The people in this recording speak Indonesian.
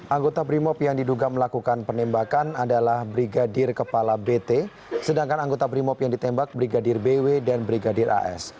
anggota brimob yang diduga melakukan penembakan adalah brigadir kepala bt sedangkan anggota brimob yang ditembak brigadir bw dan brigadir as